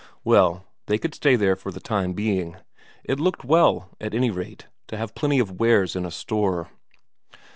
Well, they could stay there for the time being; it looked well, at any rate, to have plenty of wares in a store.